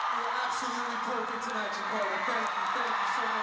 telah mengambil kita ke seluruh dunia tahun ini